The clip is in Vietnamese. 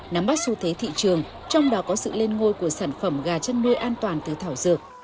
nắm bắt xu thế thị trường trong đó có sự lên ngôi của sản phẩm gà chăn nuôi an toàn từ thảo dược